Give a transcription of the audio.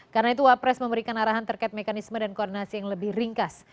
karena itu wapres memberikan arahan terkait mekanisme dan koordinasi yang lebih ringkas